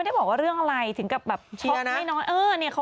อีกหนึ่งค่ะบุคคลเชียร์ค่ะ